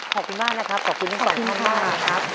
ขอบคุณมากนะครับขอบคุณทุกคนมากครับ